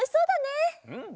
うん。